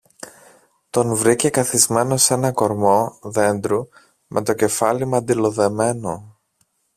Τον βρήκε καθισμένο σ' έναν κορμό δέντρου με το κεφάλι μαντιλοδεμένο.